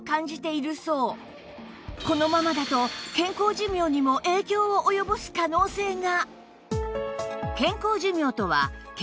このままだと健康寿命にも影響を及ぼす可能性が